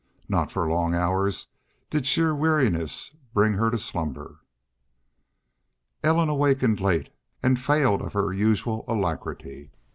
Not for long hours did sheer weariness bring her to slumber. Ellen awakened late and failed of her usual alacrity.